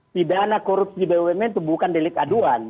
pidana korupsi bumn itu bukan delik aduan